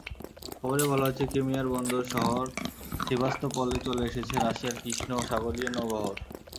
খবরে বলা হয়েছে, ক্রিমিয়ার বন্দর শহর সিভাস্তোপলে চলে এসেছে রাশিয়ার কৃষ্ণ সাগরীয় নৌবহর।